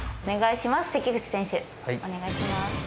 お願いします。